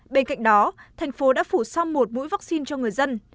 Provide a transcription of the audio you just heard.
bên cạnh đó thành phố đã phủ xong một mũi vaccine cho người dân